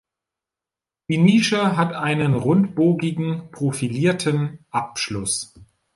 Die Nische hat einen rundbogigen, profilierten Abschluss.